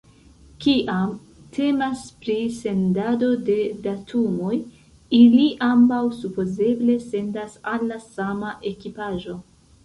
Kiam temas pri sendado de datumoj, ili ambaŭ supozeble sendas al la sama ekipaĵo.